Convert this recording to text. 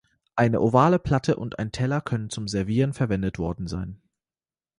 Eine ovale Platte und ein Teller können zum Servieren verwendet worden sein.